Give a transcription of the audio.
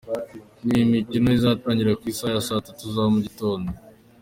Ni imikino izatangira ku isaha ya saa tatu za mu gitondo.